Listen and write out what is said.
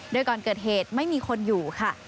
โดยก่อนเกิดเหตุไม่มีคนอยู่ค่ะ